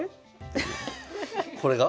これが？